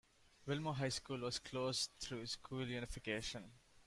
Wilmore High School was closed through school unification.